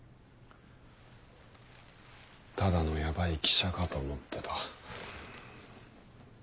ただのヤバい記者かと思ってた。